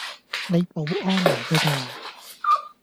你保安嚟架咋